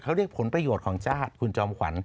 เขาเรียกผลประโยชน์ของชาติคุณจอมขวัญ